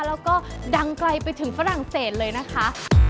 แล้วก็ดังไกลไปถึงฝรั่งเศสเลยนะคะ